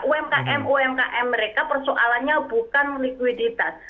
umkm umkm mereka persoalannya bukan likuiditas